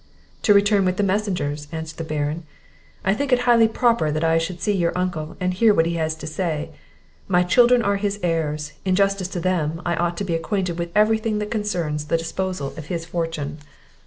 "To return with the messengers," answered the Baron. "I think it highly proper that I should see your Uncle, and hear what he has to say; my children are his heirs; in justice to them, I ought to be acquainted with every thing that concerns the disposal of his fortune."